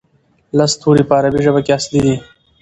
لس توري په عربي ژبه کې اصلي دي.